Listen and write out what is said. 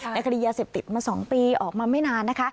คดียาเสพติดมา๒ปีออกมาไม่นานนะคะ